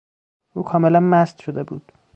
او کاملا مست شده بود.